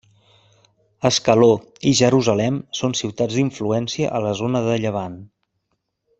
Ascaló i Jerusalem són ciutats d'influència a la zona de Llevant.